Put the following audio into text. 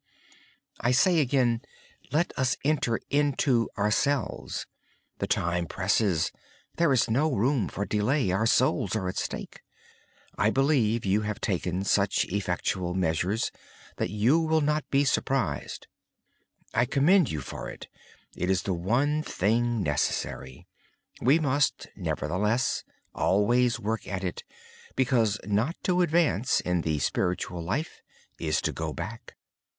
I say again, let us enter into ourselves. The time presses. There is no room for delay. Our souls are at stake. It seems to me that you are prepared and have taken effectual measures so you will not be taken by surprise. I commend you for it. It is the one thing necessary. We must always work at it, because not to persevere in the spiritual life is to go back.